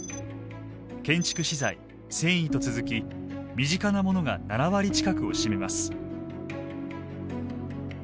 建築資材繊維と続き身近なものが７割近くを占めます。